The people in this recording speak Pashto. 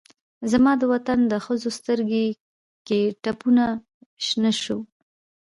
زما دوطن د ښځوسترګوکې ټپونه شنه شوه